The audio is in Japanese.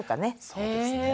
そうですね。